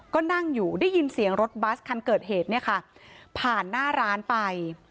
ก็นั่งอยู่ได้ยินเสียงรถบัสคันเกิดเหตุเนี่ยค่ะผ่านหน้าร้านไป